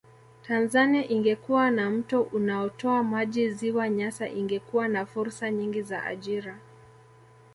Tanzania ingekuwa na mto unaotoa maji ziwa Nyasa ingekuwa na fursa nyingi za ajira